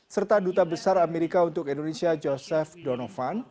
serta duta besar amerika untuk indonesia joseph donovan